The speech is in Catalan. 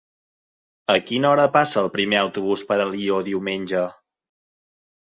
A quina hora passa el primer autobús per Alió diumenge?